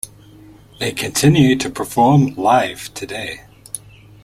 They continue to perform live today.